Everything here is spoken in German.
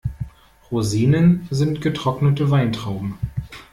Rosinen sind getrocknete Weintrauben.